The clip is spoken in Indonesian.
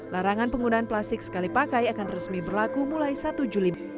larangan penggunaan plastik sekali pakai akan resmi berlaku mulai satu juli